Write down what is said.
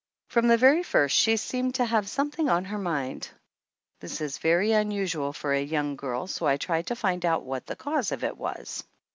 From the very first she seemed to have something on her mind ; this is very unusual for a young girl, so I tried to find out what the cause of it was.